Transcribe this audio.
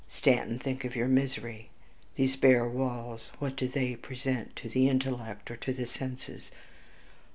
Stanton, think of your misery. These bare walls what do they present to the intellect or to the senses?